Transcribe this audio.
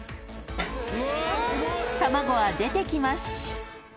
［卵は出てきます］